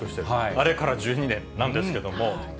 あれから１２年なんですけれども。